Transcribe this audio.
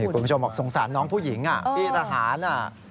ทีนี้ผู้ชมบอกสงสารห้องน้องผู้หญิงที่สหาร